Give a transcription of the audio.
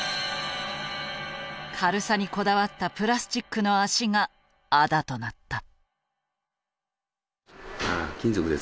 軽さにこだわったプラスチックの脚があだとなった。